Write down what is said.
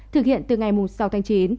thực hiện từ ngày sáu tháng chín